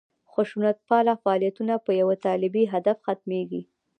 خشونتپاله فعالیتونه په یوه طالبي هدف ختمېږي.